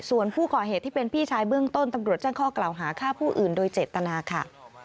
ส่วนผู้ก่อเหตุที่เป็นพี่ชายเบื้องต้นตำรวจแจ้งข้อกล่าวหาฆ่าผู้อื่นโดยเจตนาค่ะ